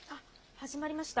始まりました。